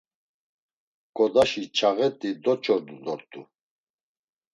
Ǩodaşi çağet̆i doç̌ordu dort̆u.